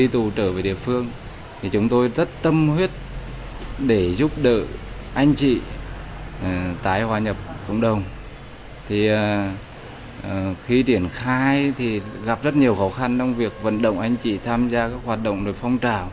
trên địa bàn của khu phố